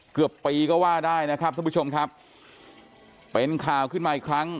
เกือบปีก็ว่าได้นะครับท่านผู้ชมครับเป็นข่าวขึ้นมาอีกครั้ง